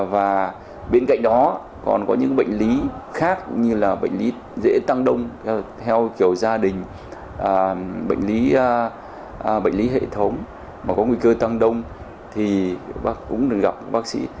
và bên cạnh đó còn có những bệnh lý khác như là bệnh lý dễ tăng đông theo kiểu gia đình bệnh lý bệnh lý hệ thống mà có nguy cơ tăng đông thì bác cũng gặp bác sĩ